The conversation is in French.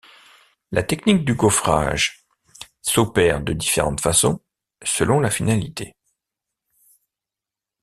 La technique du gaufrage s'opère de différentes façon, selon la finalité.